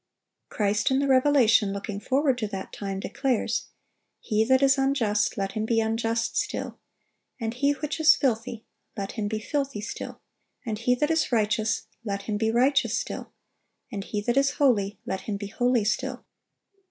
Christ in the Revelation looking forward to that time, declares: "He that is unjust, let him be unjust still: and he which is filthy, let him be filthy still: and he that is righteous, let him be righteous still: and he that is holy, let him be holy still.